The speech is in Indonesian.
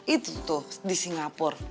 itu tuh di singapur